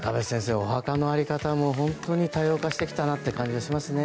お墓の在り方も多様化してきたなという感じがしますね。